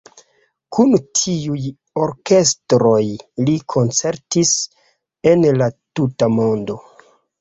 Kun tiuj orkestroj li koncertis en la tuta mondo.